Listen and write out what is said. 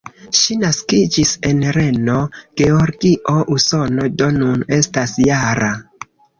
Ŝi naskiĝis en Reno, Georgio, Usono, do nun estas -jara.